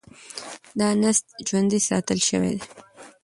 دا نسج ژوندي ساتل شوی دی.